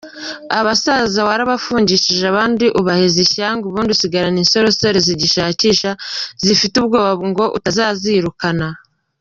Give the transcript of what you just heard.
Abasaza warabafungishije abandi ubaheza ishyanga; ubundi usigarana insoresore zikishakisha, zifitiye ubwoba ngo utazirukana.